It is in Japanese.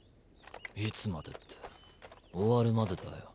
いつまでって終わるまでだよ。